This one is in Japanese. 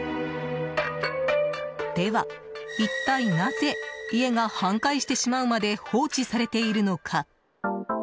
では、一体なぜ家が半壊してしまうまで放置されているのか。